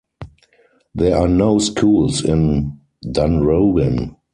There are no schools in Dunrobin.